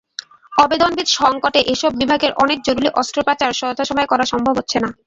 অবেদনবিদ সংকটে এসব বিভাগের অনেক জরুরি অস্ত্রোপচার যথাসময়ে করা সম্ভব হচ্ছে না।